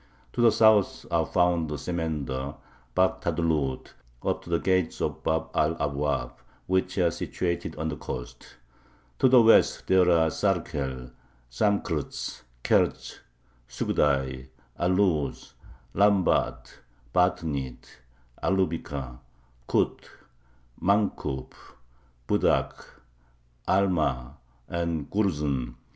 To the south are found Semender, Bak Tadlud, up to the gates of Bab al Abwab, which are situated on the coast. ... To the west there are Sarkel, Samkrtz, Kertz, Sugdai, Alus, Lambat, Bartnit, Alubika, Kut, Mankup, Budak, Alma, and Gruzin.